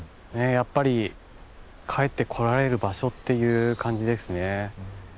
やっぱり帰ってこられる場所っていう感じですね。